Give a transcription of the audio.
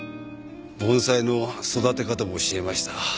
盆栽の育て方も教えました。